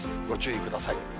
ご注意ください。